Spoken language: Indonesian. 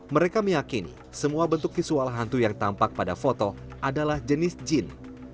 mereka meyakini semua bentuk visual hantu yang tampak pada foto adalah jenis jin